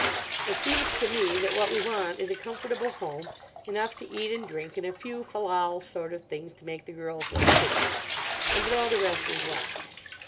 It seems to me that what we want is a comfortable home, enough to eat and drink, and a few fal lal sort of things to make the girls look pretty; and that all the rest is rot.